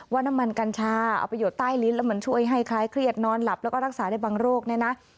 ว่าน้ำมันกัญชาเอาไปหยดใต้ลิ้นแล้วมันช่วยให้คล้ายเครียดนอนหลับแล้วก็รักษาได้บางโรคเนี่ยนะ